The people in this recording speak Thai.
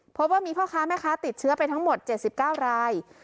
พบว่ามีพ่อค้าแม่ค้าติดเชื้อไปทั้งหมด๗๙ราย